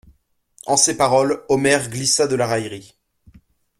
En ces paroles, Omer glissa de la raillerie.